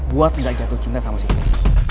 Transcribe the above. buat gak jatuh cinta sama si mel